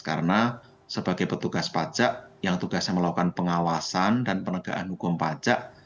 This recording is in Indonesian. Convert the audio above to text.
karena sebagai petugas pajak yang tugasnya melakukan pengawasan dan penegaan hukum pajak